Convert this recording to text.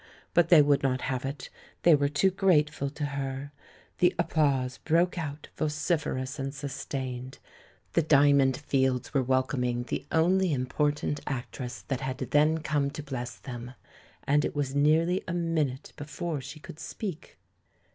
But they would not have it — tliey were too grateful to her. The applause broke out, vocif erous and sustained. The Diamond Fields were welcoming the only important actress that had THE LAURELS AND THE LADY 9T then come to bless them, and it was nearly a min ute before she could speak.